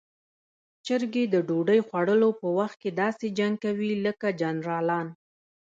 چرګې د ډوډۍ خوړلو په وخت کې داسې جنګ کوي لکه جنرالان.